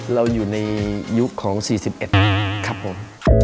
เราอยู่ในยุคของ๔๑ครับผม